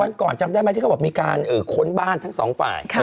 ก่อนจำได้ไหมที่เขาบอกมีการค้นบ้านทั้งสองฝ่าย